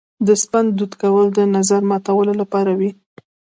د سپند دود کول د نظر ماتولو لپاره وي.